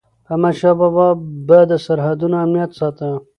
احمدشاه بابا به د سرحدونو امنیت ساته.